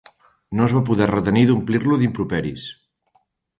No es va poder retenir d'omplir-lo d'improperis.